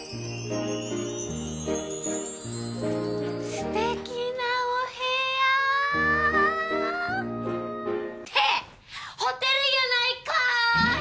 すてきなお部屋！ってホテルやないかい！